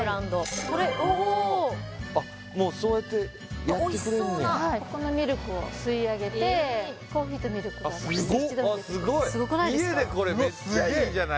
もうそうやってやってくれるんや・ここのミルクを吸い上げてコーヒーとミルクが一度にすごくないですか？